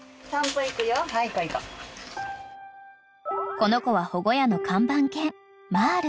［この子は保護家の看板犬］